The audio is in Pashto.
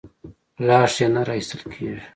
لاش یې نه راایستل کېږي.